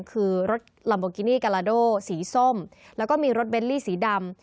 คือรถลัมโบกินี่กาลาโดสีส้มแล้วก็มีรถเบลลี่สีดำ